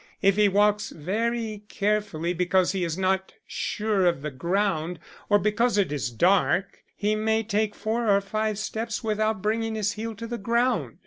If he walks very carefully because he is not sure of the ground, or because it is dark, he may take four or five steps without bringing his heel to the ground.